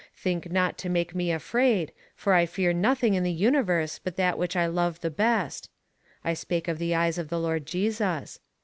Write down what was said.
Think not to make me afraid, for I fear nothing in the universe but that which I love the best. I spake of the eyes of the Lord Jesus.